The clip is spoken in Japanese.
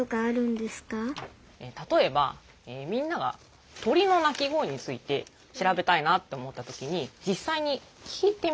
たとえばみんながとりのなきごえについてしらべたいなっておもったときにじっさいにきいてみたいよね。